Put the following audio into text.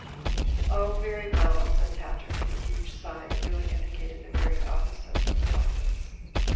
"Oh, very well," said Patrick, with a huge sigh that really indicated the very opposite of reluctance.